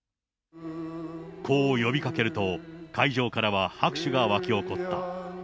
こう呼びかけると、会場からは拍手が沸き起こった。